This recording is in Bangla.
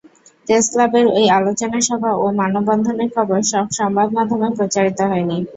প্রেসক্লাবের ওই আলোচনা সভা ও মানববন্ধনের খবর সব সংবাদমাধ্যমে প্রচারিত হয়নি।